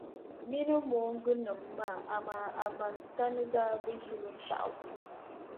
Mini mooŋgunima amaa Amantani daa bi ʒi binshɛɣu.